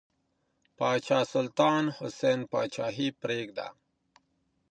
پاچا سلطان حسین پاچاهي پرېږده.